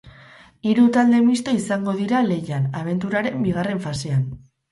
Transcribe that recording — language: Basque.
Hiru talde misto izango dira lehian abenturaren bigarren fasean.